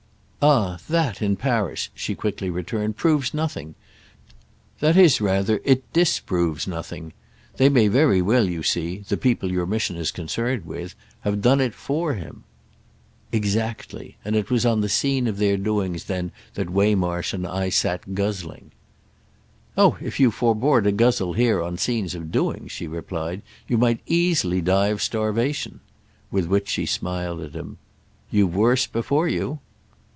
"Ah that, in Paris," she quickly returned, "proves nothing. That is rather it _dis_proves nothing. They may very well, you see, the people your mission is concerned with, have done it for him." "Exactly. And it was on the scene of their doings then that Waymarsh and I sat guzzling." "Oh if you forbore to guzzle here on scenes of doings," she replied, "you might easily die of starvation." With which she smiled at him. "You've worse before you."